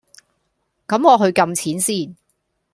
咁我去㩒錢先